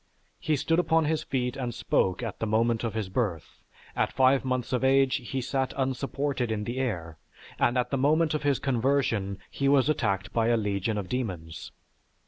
He stood upon his feet and spoke at the moment of his birth; at five months of age he sat unsupported in the air; and at the moment of his conversion he was attacked by a legion of demons.